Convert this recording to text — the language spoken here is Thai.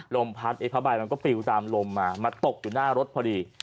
ลมพัดไอ้ผ้าใบมันก็ปิวตามลมมามาตกอยู่หน้ารถพอดี